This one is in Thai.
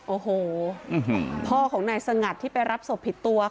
โอ้โหพ่อของนายสงัดที่ไปรับศพผิดตัว